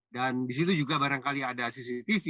dan disitu juga barangkali ada cctv